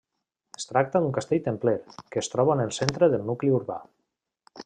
Es tracta d'un castell templer, que es troba en el centre del nucli urbà.